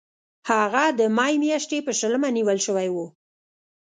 هغه د می میاشتې په شلمه نیول شوی و.